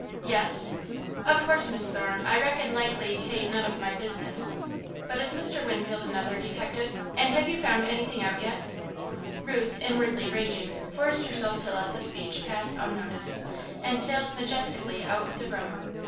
"Yes?" "Of course, Miss Thorne, I reckon likely't ain't none of my business, but is Mr. Winfield another detective, and have you found anything out yet?" Ruth, inwardly raging, forced herself to let the speech pass unnoticed, and sailed majestically out of the room.